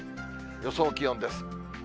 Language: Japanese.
予想気温です。